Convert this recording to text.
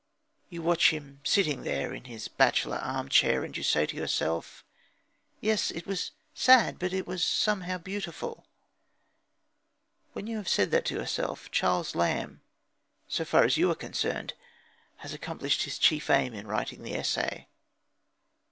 You watch him sitting there in his "bachelor arm chair," and you say to yourself: "Yes, it was sad, but it was somehow beautiful." When you have said that to yourself, Charles Lamb, so far as you are concerned, has accomplished his chief aim in writing the essay.